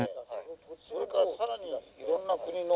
「それからさらに色んな国の」